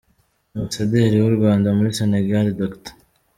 Ambasaderi w’u Rwanda muri Sénégal Dr.